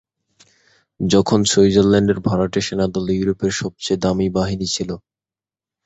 তখন সুইজারল্যান্ডের ভাড়াটে সেনাদল ইউরোপের সবচেয়ে দামী বাহিনী ছিল।